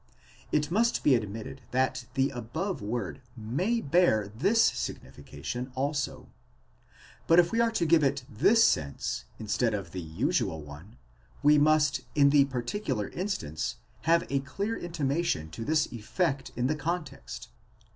It must be admitted that the above word may bear this significa tion also ; but if we are to give it this sense instead of the usual one, we must in the particular instance have a clear intimation to this effect in the context.